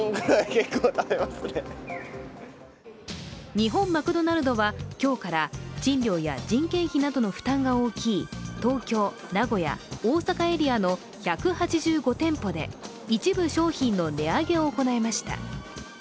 日本マクドナルドは今日から賃料や人件費などの負担が大きい東京、名古屋、大阪エリアの１８５店舗で一部商品の値上げを行いました。